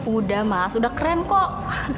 udah mas sudah keren kok